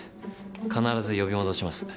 必ず呼び戻します。